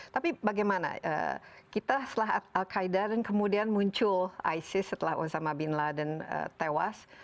tapi bagaimana kita setelah al qaeda dan kemudian muncul isis setelah osama bin laden tewas